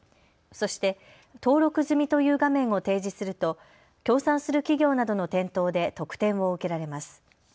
そして、登録済みという画面を提示すると協賛する企業などの店頭で特典を受けられます。